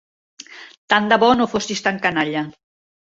Tant de bo no fossis tan canalla.